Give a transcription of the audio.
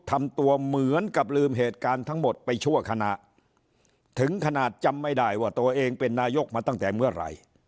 ทำตัวเหมือนกับลืมเหตุการณ์ทั้งหมดไปชั่วคณะถึงขนาดจำไม่ได้ว่าตัวเองเป็นนายกมาตั้งแต่เมื่อไหร่